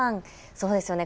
そうですよね。